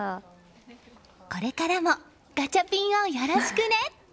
これからもガチャピンをよろしくね！